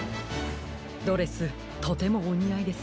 ドレスとてもおにあいです。